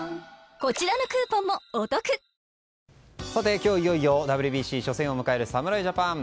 今日、いよいよＷＢＣ初戦を迎える侍ジャパン。